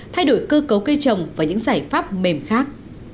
thay đổi cơ cấu cây trồng và những giải pháp mềm khác